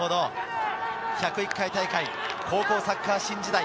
１０１回大会、高校サッカー新時代。